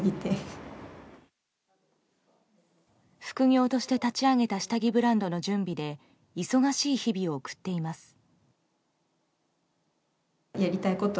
副業として立ち上げた下着ブランドの準備で忙しい日々を送っています。